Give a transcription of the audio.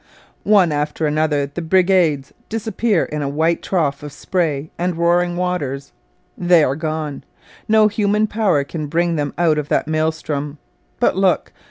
One after another the brigades disappear in a white trough of spray and roaring waters. They are gone! No human power can bring them out of that maelstrom! But look!